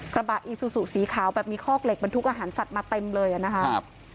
กระบะอีซูซูสีขาวแบบมีคอกเหล็กบรรทุกอาหารสัตว์มาเต็มเลยนะครับ